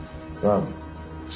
ああ。